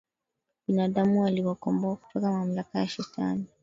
binadamu akiwakomboa kutoka mamlaka ya shetani